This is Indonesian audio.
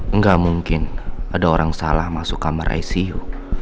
enggak mungkin ada orang salah masuk kamar icu